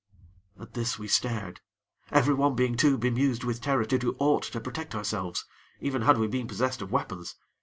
At this, we stared, everyone being too bemused with terror to do aught to protect ourselves, even had we been possessed of weapons.